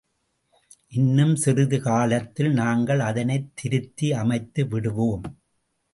இன்னும் சிறிது காலத்தில் நாங்கள் அதனைத் திருத்தி அமைத்து விடுவோம்.